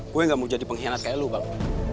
gue gak mau jadi pengkhianat kayak lu bang